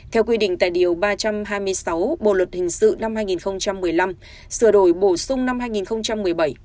theo quy định tại điều ba trăm hai mươi sáu bộ luật hình sự năm hai nghìn một mươi năm sửa đổi bổ sung năm hai nghìn một mươi bảy